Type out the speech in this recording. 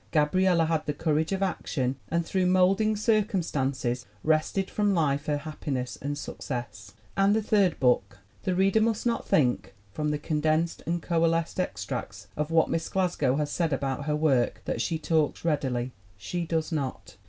Gabriella had the courage of action and through molding circumstances wrested from life her happiness and success." "And the third book?" The reader must not think from the condensed and coalesced extracts of what Miss Glasgow has said about her work that she talks readily. She does not.